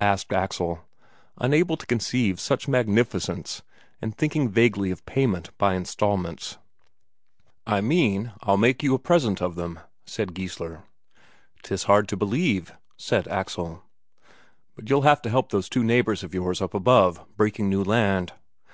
asked Axel, unable to conceive such magnificence, and thinking vaguely of payment by instalments. "I mean I'll make you a present of them," said Geissler. "'Tis hard to believe," said Axel. "But you'll have to help those two neighbours of yours up above, breaking new land."